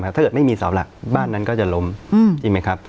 ถ้าเกิดไม่มีเสาหลักบ้านนั้นก็จะล้มใช่ไหมครับ